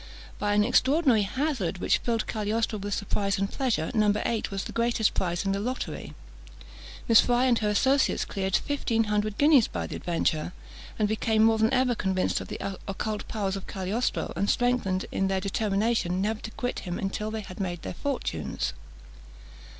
By an extraordinary hazard, which filled Cagliostro with surprise and pleasure, number eight was the greatest prize in the lottery. Miss Fry and her associates cleared fifteen hundred guineas by the adventure, and became more than ever convinced of the occult powers of Cagliostro, and strengthened in their determination never to quit him until they had made their fortunes.